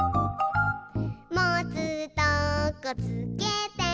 「もつとこつけて」